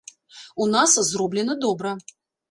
У нас зроблена добра.